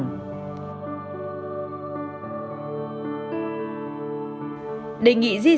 đề nghị di rời sản xuất của quốc gia